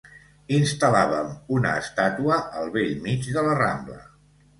Instal·làvem una estàtua al bell mig de la Rambla.